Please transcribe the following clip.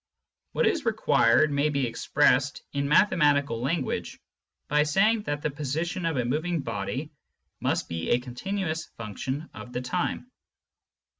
What is required may be expressed in mathematical language by saying that the position of a moving body must be a continuous function of the time.